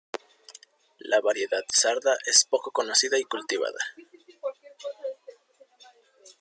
La variedad 'Sarda' es poco conocida y cultivada.